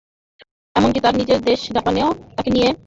এমনকি তাঁর নিজের দেশ জাপানেও তাঁকে নিয়ে বিতর্কের অন্ত ছিল না।